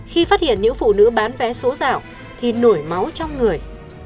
khi phát hiện những phụ nữ bán vé số dạo thì nổi máu trong người